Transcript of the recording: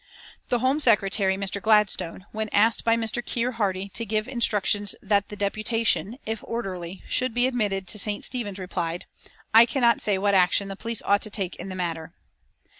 The Home Secretary, Mr. Gladstone, when asked by Mr. Kier Hardie to give instructions that the deputation, if orderly, should be admitted to St. Stephen's, replied: "I cannot say what action the police ought to take in the matter."